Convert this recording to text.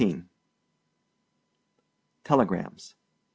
TELEGRAMS.